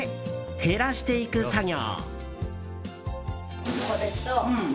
減らしていく作業。